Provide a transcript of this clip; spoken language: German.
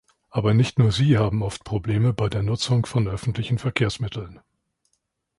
Aber nicht nur sie haben oft Probleme bei der Nutzung von öffentlichen Verkehrsmitteln.